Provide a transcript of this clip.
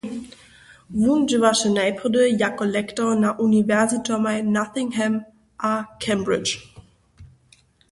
Wón dźěłaše najprjedy jako lektor na uniwersitomaj Nottingham a Cambridge.